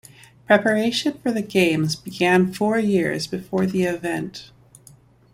Preparation for the games began four years before the event.